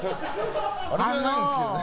悪気はないんですけどね。